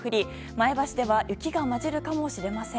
前橋では雪が交じるかもしれません。